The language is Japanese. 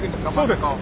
そうです！